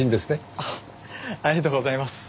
ありがとうございます。